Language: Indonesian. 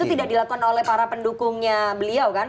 itu tidak dilakukan oleh para pendukungnya beliau kan